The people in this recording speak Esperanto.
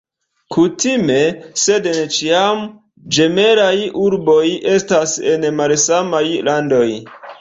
Kutime, sed ne ĉiam, ĝemelaj urboj estas en malsamaj landoj.